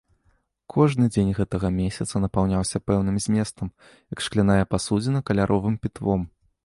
Кожны дзень гэтага месяца напаўняўся пэўным зместам, як шкляная пасудзіна каляровым пітвом.